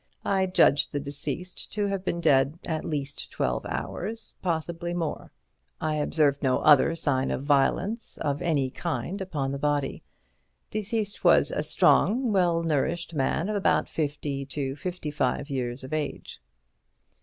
I judged the deceased to have been dead at least twelve hours, possibly more. I observed no other sign of violence of any kind upon the body. Deceased was a strong, well nourished man of about fifty to fifty five years of age."